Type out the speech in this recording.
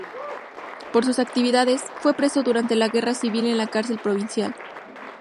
Por sus actividades, fue preso durante la Guerra Civil en la cárcel provincial.